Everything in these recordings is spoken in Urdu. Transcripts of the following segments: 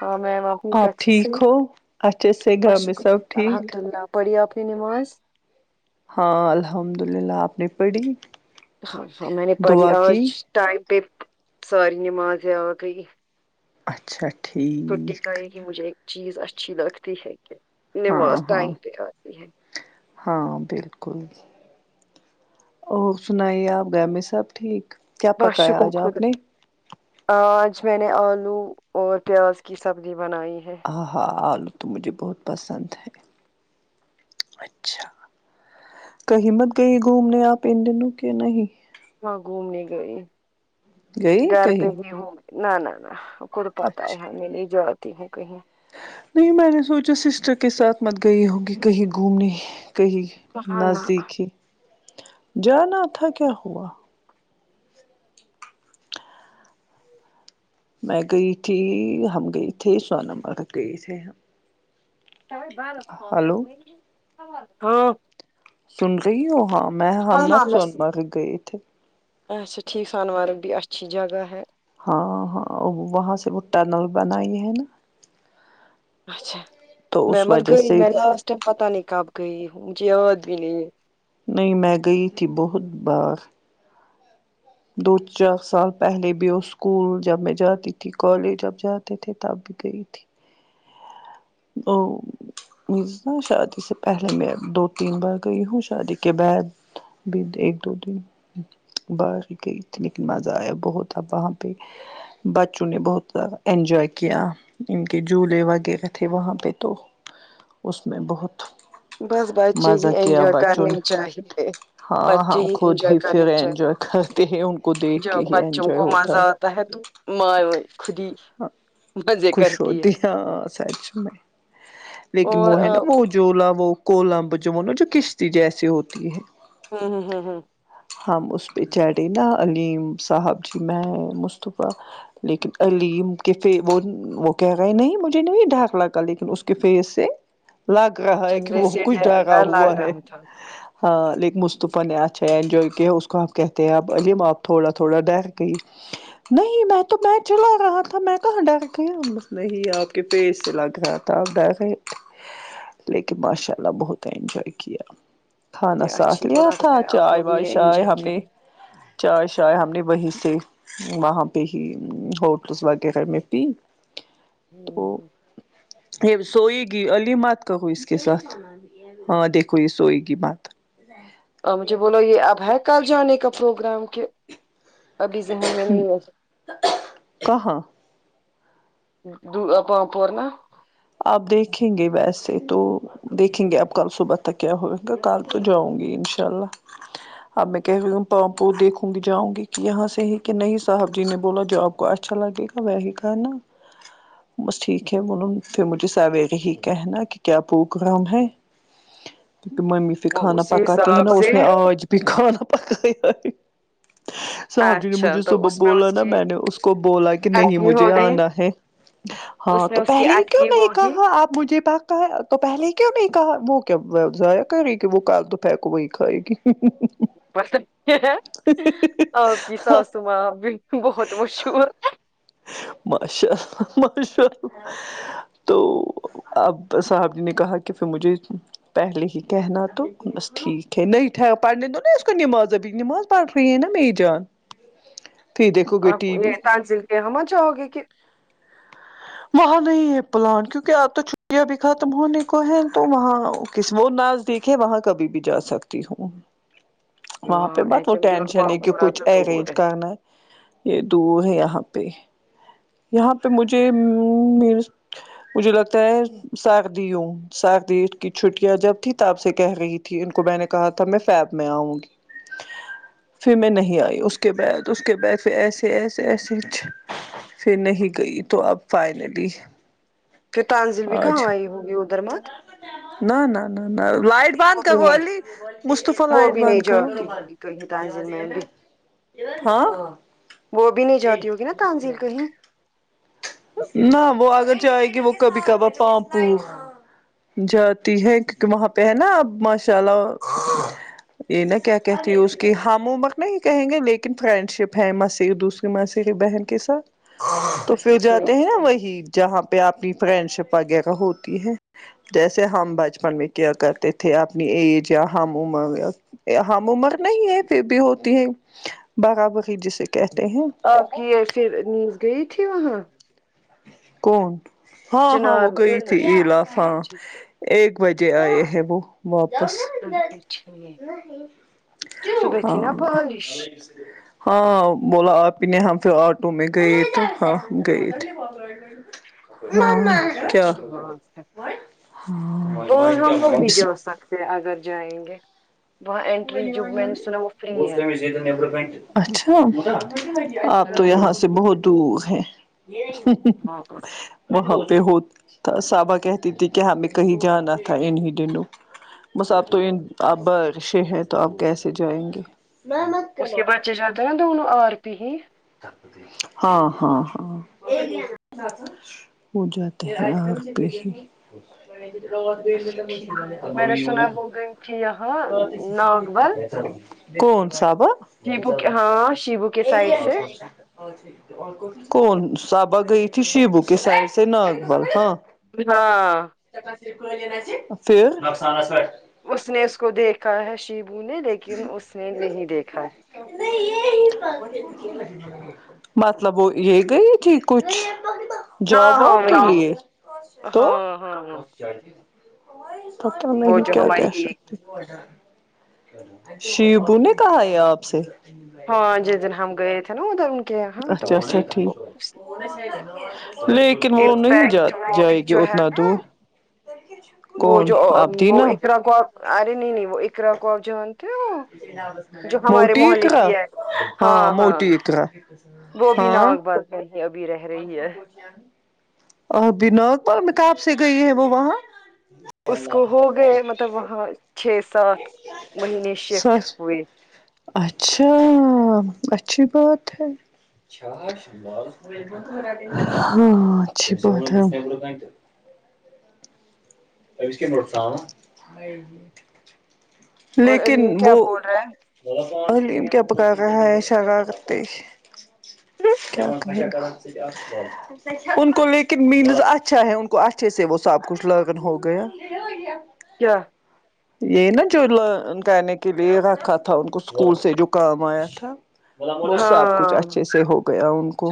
ہاں آپ سے ٹھیک ہو اچھے سے گھر بس میں شکر سب ٹھیک الحمد اللہ [unintelligible] پڑھی آپ نے نماز ہاں الحمد للہ آپ نے پڑھی ہاں ہاں میں نے پڑھی دعا آج کی ٹائم پہ ساری نمازیں آ گئی اچھا چھٹی کا ٹھیک یہ ہی مجھے ایک چیز اچھی لگتی ہے کہ ہاں نماز ہاں ٹائم پہ آتی ہے ہاں بالکل اور سنائیے آپ گھر میں سب ٹھیک کیا بس پکایا شکر آج آپ نے خدا آج میں نے آلو اور پیاز کی سبزی بنائی ہے ہاں ہاں آلو تو مجھے بہت پسند ہے اچھا کہیں مت گئی گھومنے آپ ان دنوں کہ نہیں وہاں گھومنے گئی گئی گھر پہ کہیں بھی ہو نہ نہ نہ کر پاتا ہے اچھا میں نہیں جاتی ہوں کہیں نہیں میں نے سوچا سسٹر کے ساتھ مت گئی ہوگی کہیں گھومنے کہیں نزدیک ہی جانا تھا کیا ہوا میں گئی تھی ہم گئے تھی سون مرگ گئے تھے ہلو ہاں [unintelligible] سن رہی ہوں ہاں میں ہم ہاں نا ہاں بس سون مرگ گئے تھے اچھا ٹھیک سون مرگ بھی اچھی جگہ ہے ہاں ہاں وہاں سے وہ ٹنل بنائی ہے نا اچھا تو میں اس مت وجہ گئی سے میں لاسٹ ٹائم پتا نہیں کب گئی ہوں مجھے یاد بھی نہیں نہیں میں گئی تھی بہت بار دو چار سال پہلے بھی وہ اسکول جب میں جاتی تھی کالج جب جاتے تھے تب گئی تھی او زو شادی سے پہلے میں دو تین بار گئی ہوں شادی کے بعد بھی ایک دو تین بار کتنا کی مزہ آیا بہت اب وہاں پہ بچوں نے بہت زیادہ انجوائے کیا کیوں کےجھولے وغیرہ تھے وہاں پہ تو اس میں بہت بس بچے ہی مزہ کیا انجوائے بچوں کرنے نے چاہیے ہاں بچے ہم خود انجوائے ہی کرنے پھر چاہیے انجوائے کرتے ہیں ان کو دیکھ کے ہی انجوائے ہوتا ہے [unintelligible] خودی ہاں خوش ہوتے ہاں سچ میں لیکن وہ اور ہے نا وہ ہمم جھولا وہ کولمب جو وہ نا جو کشتی جیسی ہوتی ہے ہوں ہوں ہوں ہوں ہم اس پہ چڑھے نا علیم صاحب جی میں مصطفی لیکن عل یم کہ ف وہ وہ کہہ رہے نہیں مجھے نہیں ڈر لاگا لیکن اس کے فیس سے لگ رہا ہے کہ چندرے وہ سے کچھ ڈر ڈرا ڈر لگ ہوا ہے رہا تھا ہاں لیکن مصطفی نے اچھا انجوائے کیا اس کو آپ کہتے ہیں اب علیم آپ تھوڑا تھوڑا ڈر گئی نہیں میں تو میں چلو کہا تھا میں کہاں ڈر گیا بس نہیں آپ کے فیس سے لگ رہا تھا آپ ڈر رہے تھے لیکن ماشاء اللہ بہت انجوائے کیا کھانا یہ ساتھ اچھی لیا بات تھا ہے آپ چائے لوگوں وائے نے شائے انجوائے ہم کیا نے چائے شائے ہم نے وہیں سے وہاں پہ ہی ہو [unintelligible] گھر میں پی تو یہ سوئے گی علیم مت کہو اس کے ساتھ ہاں دیکھو یہ سوئی کی بات اور مجھے بولو یہ اب ہے کل جانے کا پروگرام کے ابھی ذہن میں نہیں ہے کہاں دعا پ پرنا آپ دیکھیں گے ویسے تو دیکھیں گے اب کل صبح تک کیا ہو گا کل تو جاؤں گی انشاء اللہ اب میں کہہ رہی ہوں پاپ دیکھوں گی جاؤں گی کہ یہاں سے ہی کہ نہیں صاحب جی نے بولا جو آپ کو اچھا لگے وی کرنا بس ٹھیک ہے بولوں کے مجھے سویرے ہی کہنا کہ کیا پرگرام ہے ممی وہ کھانا اسی پکاتی ہے حساب نا سے اس نے آج بھی کھانا پکایا ہے صاحب جی نے اچھا مجھے تو صبح اس میں بولا اس نا کی میں نے اس کو بولا کہ نہیں اٹکی مجھے ہوگی آنا ہے ہاں اس میں تو اس کی پہلے ہی کیوں اٹکی نہیں ہوگی کہا آپ مجھے پکایا پہلے ہی کیوں نہیں کہا وہ کیا ضائع کر رہے گی وہ کل دوپہر کو وہی کھائے گی [inaudible] مطلب یہ ہےآپ کی ساسو ماں بھی بہت مشہور ماشا للہ ماشا للہ تو اب صاحب جی نے کہا کہ پھر مجھے پہلے ہی کہنا تو بس ٹھیک ہے نہیں پڑھنے دو نا اس کو نماز ابھی نماز پڑھ رہی ہے نا میری جان پھر دیکھو گے آپ ٹی وی یہ تانزل کے ہمہ چاہو گے کہ وہاں نہیں ہے پلان کیونکہ آپ تو چھٹیاں بھی ختم ہونے کو ہے تو وہاں کسی وہ ن زدیک ہے وہاں کبھی بھی جا سکتی ہوں وہاں پہ بت ایچ وہ ایم ڈی اور ٹینشن ہے کہ پامپورہ کچھ تو دور ارینج ہے کرنا ہے یہ دور ہے یہاں پہ یہاں پہ مجھےم مجھے لگتا ہے سردیوں سردی کی چھٹیاں جب تھی تپ سے کہہ رہی کہ ان کو میں نے کہا تھا میں فیب میں آؤں گی پھر میں نہیں آئی اس کے بعد اس کے بعد پھر ایسے ایسے ایسےچ پھر نہیں گئی تو اب فائنلی پھر تانزل بھی کہاں آج آئی ہوگی ادھر مت نہ نہ نہ نہ لائٹ بند وہ بھی کرو نہیں علی مصطفی وہ لائٹ بھی بند نہیں کرو جاتی ہوگی کہیں تانزل میں بھی ہاں وہ بھی نہیں جی جاتی ہوگی نا تانزل کہیں نہ وہ اگر جاۓ گی وہ کبھی کبار پامپو جاتی ہے کیونکہ وہاں پہ ہے نا اب ماشاء اللہ یہ نا کیا کہتی ہے اس کی ہم عمر نہیں کہیں گے لیکن فرینڈ شپ ہے مسی دوس پھر مسی کی بہن کے ساتھ تو اچھا فر ٹھیک جاتے ہیں اچھا وہی جہاں پہ اپنی فرینڈ شپ وغیرہ ہوتی ہے جیسے ہم بچپن میں کیا کرتے تھے اپنی ایج یا ہم عمر ہم عمر نہیں ہے ٹھیک پھر بھی ہوتی ہے بغا بغی جسے کہتے ہیں آپ کی ایسی نیوز گئی تھی وہاں کون ہاں ہاں چنار وہ میں؟ گئی تھی لا فاں اچھا ایک بجے آئے ہے وہ واپس اچھا ٹھیک، صبح تھی ہاں نا بارش ہاں بولا آپی نے ہم فر آٹو میں گئے تھے ہاں ہم گئے تھے پڑھرہے چلو مما کیا اچھی بات ہے [unintelligible] یہ اگر جائیں گے وہاں انٹری جو میں نے سنا [unintelligible] وہ فری ہے اچھا آپ تو یہاں ہوں، سے بہت تو ہے ہاں وہاں پہ ہو تا صحابا کہتی تھی کہ ہمیں کہیں جانا تھا انہیں دنوں بس آپ تو ان آپ بارشیں ہیں تو آپ کیسے جائیں گے نہ مت کرو [unintelligible] ہاں ہاں ہاں ہو جاتے ہیں آگ پہ ہی اچھا ٹھیک میں نے سنا وہ گئی تھی یہاں ناگ بل [unintelligible] کون سب شیبو کے ہاں شیبو کے سائڈ سے کون صبہ گئی تھی شیبو کی سائڈ سے ناگبل ہاں نباں فر [unintelligible] اس نے اس کو دیکھا ہے شیبو نے لیکن اس نے نہیں دیکھا نہیں یہ مطلب وہ یہ گئی تھی کچھ ہاں جاب ہاں واب وہی کے لیے تو ہاں ہاں ہاں پتہ وہ نہیں جو کیا ہماری کہہ ایک سکتے شیبو نے کہا یہ آپ سے ہاں جس دن ہم گئے تھے نا ادھر ان کے یہاں اچھا تو اچھا اسی دن ٹھیک بولا اس نے لیکن وہ نہیں جا جائے گی جو ہے اتنا نا دور وہ کون جو آپ وہ دینا اکرا کو آپ آ رہے نہیں وہ اکرا کو جو ہے کیوں جو ہمارے موٹی محلے اقرا کی ہے ہاں ہاں موٹی اقرا وہ بھی ہاں ناگ برسوں سے ابھی رہ رہی ہے اور دیناک پر میں کام سے گئی ہے وہ وہاں اس کو ہو گئے مطلب وہاں چھ سات مہینے شفٹ سچ ہوئے اچھا اچھی بات ہے ہاں اچھی بات ہے آیسکریم مت کھاو اور لیکن علیم کیا وہ بول رہا ہے حلیم کیا پکا رہا ہے اشارہ کرتے کیا کر نا ان کو لیکن مینز اچھا ہے ان کو اچھے سے وہ سب کچھ لگن ہو گیا کیا یہ نا جو لوگ گانے کے لیے رکھا تھا ان کو اسکول سے جو کام آیا تھا وہ سب کچھ ہاں اچھے سے ہو گیا ان کو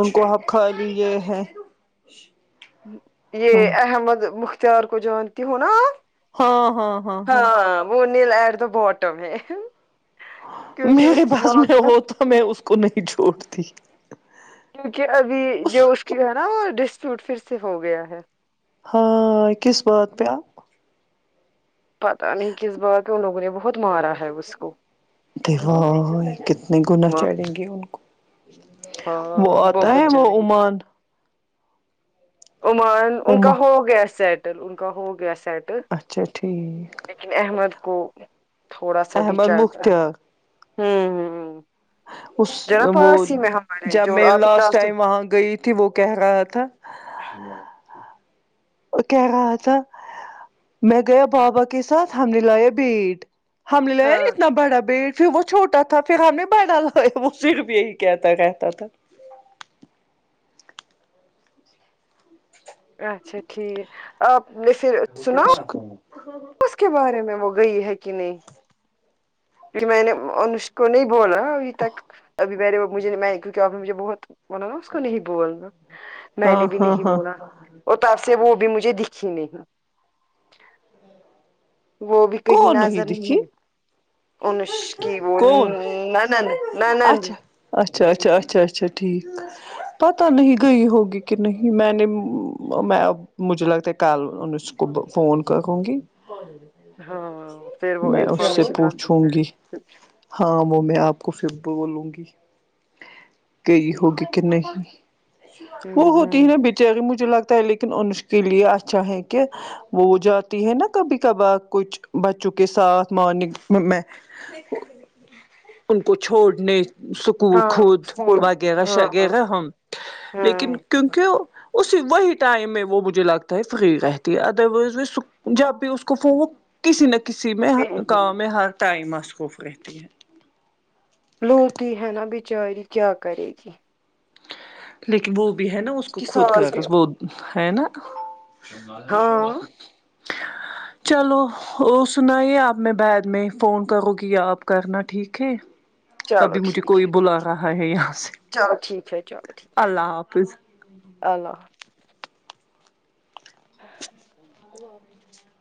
ان کو آب کھا لی یہ ہے یہ ہاں احمد مختیار کو جانتی ہوں نا آپ ہاں ہاں ہاں ہاں وہ نیل [unintelligible] کیونکہ میرے اس کی پاس ماں میں کو ہو تا میں اس کو نہیں چھوڑتی کیونکہ ابھی جو اس کی ہے نا وہ ڈسپیوٹ پھر سے ہو گیا ہے ہاں کس بات پے پتہ نہیں کس بات ان لوگوں نے بہت مارا ہے اس کو کے ہاں ہاں کتنے گنا چڑیں گے ان کو وہ ہاں آتا ہے بہت وہ جانے عمان عمان ان کا عمان ہو گیا سیٹل ان کا ہو گیا سیٹ اچھا ٹھیک لیکن احمد کو تھوڑا سا بھی احمد چل رہا ہے مختار ہمم ہمم اس وہ میں ہمارے جب جو میں آپ لاسٹ ٹائم وہاں گئی تھی وہ کہہ رہا تھا کہہ رہا تھا میں گیا بابا کے ساتھ ہم نے لایا بیٹ ہم نے لایا ہاں اتنا بڑا بیٹ پھر وہ چھوٹا تھا پھر ہم نے بڑا لا یا وہ صرف یہی کہتا رہتا تھا اچھا ٹھیک آپ نے پھر سنا اس کے بارے میں وہ گئی ہے کی نہیں کیونکی میں نے ان اس کو نہیں بولا ابھی تک ابھی میں نے مجھے کیونکی آپ نے مجھے بہت وہ نا اس کو نہیں بولنا میں نے ہاں بھی ہاں نہیں ہاں بولا اور تب سے وہ بھی مجھے دکھی نہیں وہ بھی کہیں کون نظر دکھی نہیں انش کی وہ کون نا نند نند اچھا اچھا اچھا اچھا اچھا ٹھیک پتہ نہیں گئی ہوگی کی نہیں میں نے میں اب مجھے لگتا ہے کل ان کو فون کروں گی ہاں پھر وہ میں اس سے انفارمیشن پوچھوں ہوں گی ہاں وہ میں آپ کو پھر بولوں گی کئی ہوگی کی نہیں وہ ہو تی ہوں ہے بےچاری مجھے لگتا ہے لیکن انس کے لیے اچھا ہے کہ وہ جاتی ہے نا کبھی کبھار کچھ بچوں کے ساتھ مارننگ میں میں ان کو چھوڑنے سک کل ہاں خود اسکول وغیرہ ہاں ہاں شغیرہ ہم لیکن ہاں کیونکی وہ اسی وہی ٹائم میں وہ مجھے لگتا ہے فقر رہتی ہے ادروائز میں سک جب بھی اس کو فوہو کسی نہ کسی میں کام میں ہر ٹائم مصروف رہتی ہے لوتی ہی ہے نہ بچاری کیا کرے گی لیکن وہ بھی ہے نا اس کو کی خود ساس بھی کاغذ وہ ہے نا شلہ شلہ ہاں چلو اور سنائیے آپ میں بعد میں فون کروں گی آپ کرنا ٹھیک ہے چلو ابھی مجھے ٹھیک کوئی ہے بلا رہا ہے یہاں سے چلو ٹھیک ہے چلو ٹھیک ہے اللہ حافظ اللہ حا تو ب